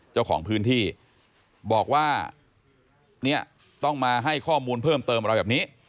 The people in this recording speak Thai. เจ้าของพื้นที่บอกว่าเนี่ยต้องมาให้ข้อมูลเพิ่มเติมอะไรแบบนี้